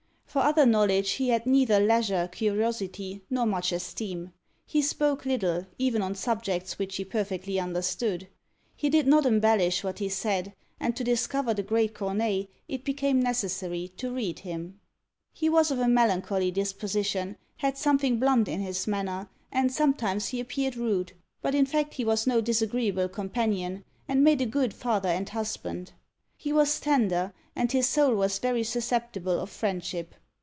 For other knowledge he had neither leisure, curiosity, nor much esteem. He spoke little, even on subjects which he perfectly understood. He did not embellish what he said, and to discover the great Corneille it became necessary to read him. He was of a melancholy disposition, had something blunt in his manner, and sometimes he appeared rude; but in fact he was no disagreeable companion, and made a good father and husband. He was tender, and his soul was very susceptible of friendship.